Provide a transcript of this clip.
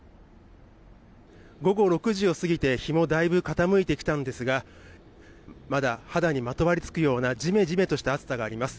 午後６時を過ぎて日もだいぶ傾いてきたんですがまだ肌にまとわりつくようなじめじめとした暑さがあります。